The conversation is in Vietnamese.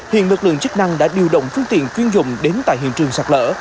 hiện lực lượng chức năng đã điều động phương tiện chuyên dụng đến tại hiện trường sạt lở